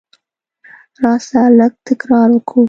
راسه! لږ تکرار وکو.